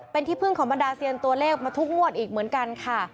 เป็นที่พึ่งของบรรดาเซียนตัวเลขมาทุกงวดอีกเหมือนกันค่ะ